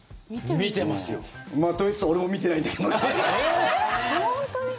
見てますよ。と言いつつ俺も見てないんだけどね。